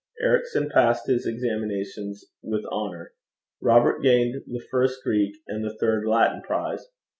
Ericson passed his examinations with honour. Robert gained the first Greek and third Latin prize.